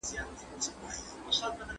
زه له سهاره کالي وچوم؟